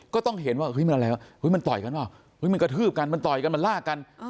ก็ต้องเห็นว่าเฮ้ยมันแล้วมันต่อยกันเปล่ามันกระทืบกันมันต่อยกันมันลากกัน